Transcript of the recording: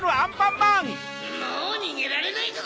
もうにげられないぞ！